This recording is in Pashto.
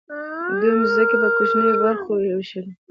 دوی ځمکې په کوچنیو برخو وویشلې.